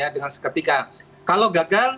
dengan seketika kalau gagal